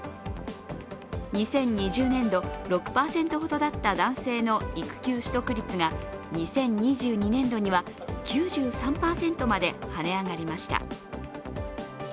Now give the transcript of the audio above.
２０２０年度、６％ほどだった男性の育休取得率が２０２２年度には９３％まではね上がりました。